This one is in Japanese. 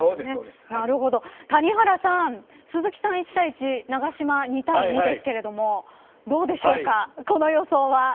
谷原さん鈴木さん、１対１永島、２対２ですけどどうでしょうか。